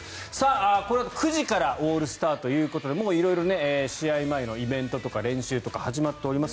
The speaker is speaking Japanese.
このあと９時からオールスターということで色々試合前のイベントとか練習とか、始まっております。